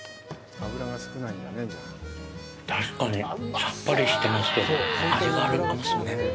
確かに、さっぱりしてますけど、味がありますね。